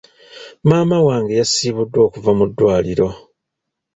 Maama wange yasiibuddwa okuva mu ddwaliro.